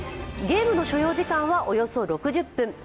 ゲームの所要時間はおよそ６０分。